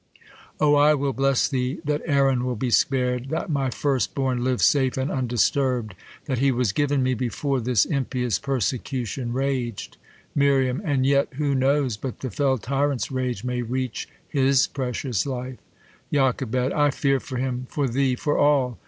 O, I will bless thee. That Aaron will be spar d ! that my first born Lives safe and undisturb'd ! that he was given me Before this impious persecution rag'd ! Mir, And yet who knov/s, but the fell tyrant's rage May reach his precious life ? Joch, I fear for him. For thee, for all.